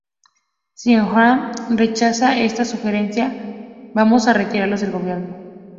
Si Ennahda rechaza esta sugerencia, vamos a retirarlos del gobierno".